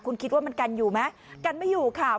คุณคิดว่ามันกันอยู่ไหมกันไม่อยู่ค่ะ